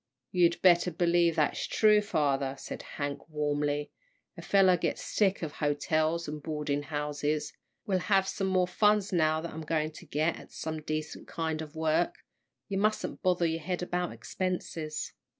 "You'd better believe that's true, father," said Hank, warmly; "a fellow gets sick of hotels and boarding houses. We'll have some more funds now that I'm going to get at some decent kind of work. You mustn't bother your head about expenses."